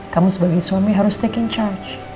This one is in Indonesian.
kamu sebagai suami harus tak in charge